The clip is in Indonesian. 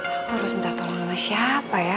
harus minta tolong sama siapa ya